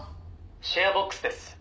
「シェアボックスです」